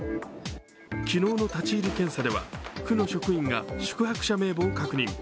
昨日の立ち入り検査では区の職員が宿泊者名簿を確認。